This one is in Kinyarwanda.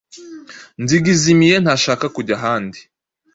Nzigzmiye ntashaka kujya ahandi.